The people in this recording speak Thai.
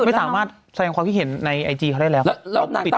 พ่อนางก็พอมีอีกประมาณแบบนั้น